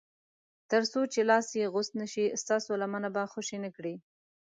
تر څو چې لاس یې غوڅ نه شي ستاسو لمنه به خوشي نه کړي.